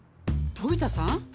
飛田さん？